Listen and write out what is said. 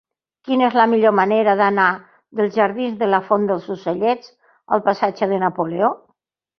Quina és la millor manera d'anar dels jardins de la Font dels Ocellets al passatge de Napoleó?